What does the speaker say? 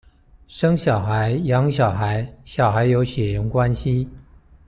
生小孩、養小孩、小孩有血緣關係